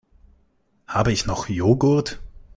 Habe ich noch Joghurt?